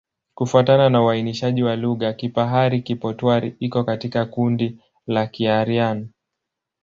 Kufuatana na uainishaji wa lugha, Kipahari-Kipotwari iko katika kundi la Kiaryan.